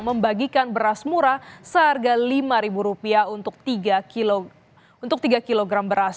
membagikan beras murah seharga rp lima untuk tiga kg beras